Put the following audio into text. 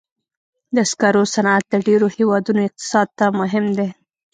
د سکرو صنعت د ډېرو هېوادونو اقتصاد ته مهم دی.